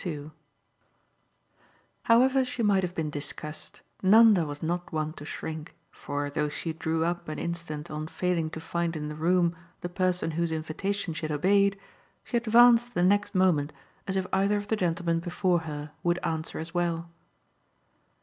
II However she might have been discussed Nanda was not one to shrink, for, though she drew up an instant on failing to find in the room the person whose invitation she had obeyed, she advanced the next moment as if either of the gentlemen before her would answer as well.